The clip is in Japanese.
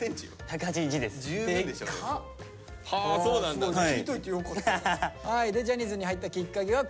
すごい聞いといてよかった。